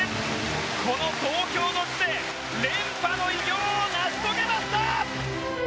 この東京の地で連覇の偉業を成し遂げました！